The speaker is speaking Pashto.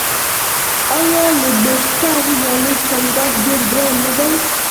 آیا لوبسټر یا لوی چنګاښ ډیر ګران نه دی؟